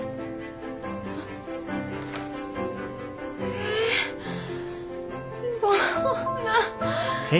えそんな。